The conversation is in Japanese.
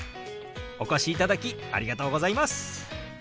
お越しいただきありがとうございます！